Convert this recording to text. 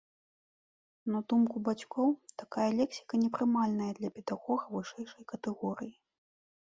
На думку бацькоў, такая лексіка непрымальная для педагога вышэйшай катэгорыі.